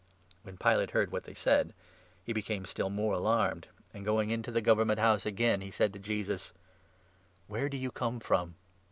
When Pilate heard what they said, he became still more 8 alarmed ; and, going into the Government House again, he 9 sa'd to Jesus :" Where do you come from